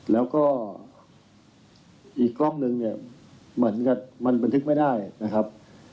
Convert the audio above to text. แล้วก็อีกกล้องนึงเนี่ยเหมือนกับมันบันทึกไม่ได้นะครับ